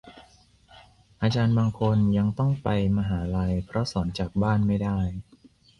อาจารย์บางคนยังต้องไปมหาลัย เพราะสอนจากบ้านไม่ได้